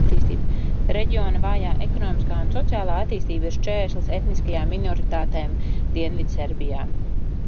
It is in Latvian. Reģiona vājā ekonomiskā un sociālā attīstība ir šķērslis etniskajām minoritātēm Dienvidserbijā.